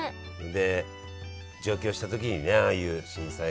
で上京した時にねああいう震災があって。